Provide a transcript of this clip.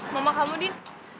mamah kamu din